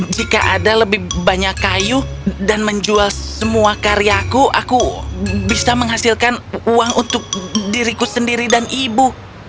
jika ada lebih banyak kayu dan menjual semua karyaku aku bisa menghasilkan uang untuk diriku sendiri dan ibu